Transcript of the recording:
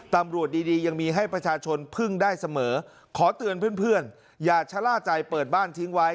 ตำรวจดียังมีให้ประชาชนพึ่งได้เสมอขอเตือนเพื่อนอย่าชะล่าใจเปิดบ้านทิ้งไว้